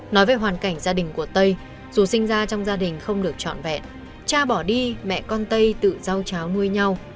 nói về hoàn cảnh gia đình của tây dù sinh ra trong gia đình không được trọn vẹn cha bỏ đi mẹ con tây tự giao cháo nuôi nhau